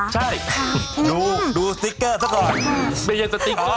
ใช่ดูสติ๊กเกอร์ซะก่อน